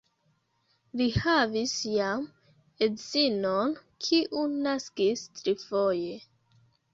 Li havis jam edzinon, kiu naskis trifoje.